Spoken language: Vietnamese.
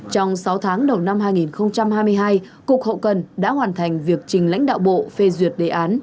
trong sáu tháng đầu năm hai nghìn hai mươi hai cục hậu cần đã hoàn thành việc trình lãnh đạo bộ phê duyệt đề án